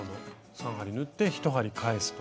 ３針縫って１針返すと。